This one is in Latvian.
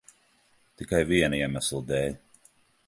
Tikai viena iemesla dēļ.